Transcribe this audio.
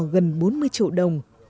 gần bốn mươi triệu đồng